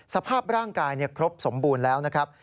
สภาพร่างกายครบสมบูรณ์แล้วนะครับ